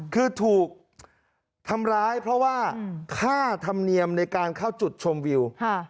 คือถูกทำร้ายเพราะว่าค่าธรรมเนียมในการเข้าจุดชมวิว